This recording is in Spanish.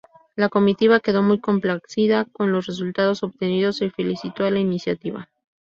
La comitiva quedó muy complacida con los resultados obtenidos y felicitó la iniciativa.